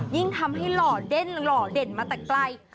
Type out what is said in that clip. ยิ่งทำให้หล่อเด้นหล่อเด่นมาแต่ไกล